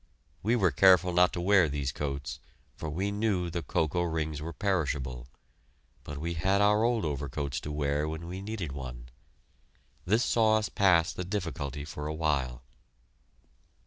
We were careful not to wear these coats, for we knew the cocoa rings were perishable, but we had our old overcoats to wear when we needed one. This saw us past the difficulty for a while.